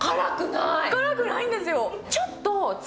辛くないんですよ